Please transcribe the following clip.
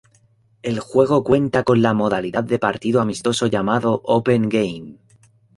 El juego cuenta con la modalidad de partido amistoso llamado Open Game.